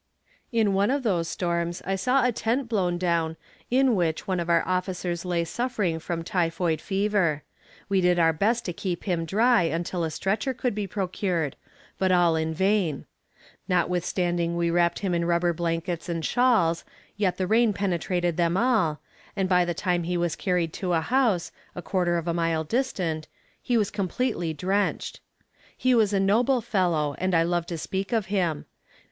In one of those storms, I saw a tent blown down, in which one of our officers lay suffering from typhoid fever. We did our best to keep him dry until a stretcher could be procured, but all in vain. Notwithstanding we wrapped him in rubber blankets and shawls, yet the rain penetrated them all, and by the time he was carried to a house, a quarter of a mile distant, he was completely drenched. He was a noble fellow and I love to speak of him.